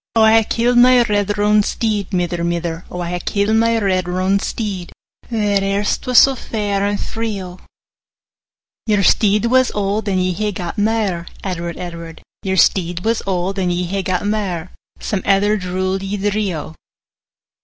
'O I hae kill'd my red roan steed, Mither, mither; O I hae kill'd my red roan steed, 15 That erst was sae fair and free, O.' 'Your steed was auld, and ye hae got mair, Edward, Edward; Your steed was auld, and ye hae got mair; Some other dule ye dree, O.